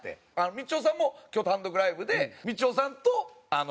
みちおさんも今日単独ライブでみちおさんとエッチなお店に。